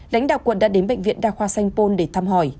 lãnh đạo quận đã đến bệnh viện đa khoa sanh pôn để thăm hỏi